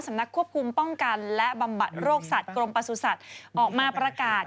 นักควบคุมป้องกันและบำบัดโรคสัตว์กรมประสุทธิ์ออกมาประกาศ